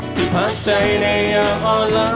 ที่พักใจในยามห่อนหลัก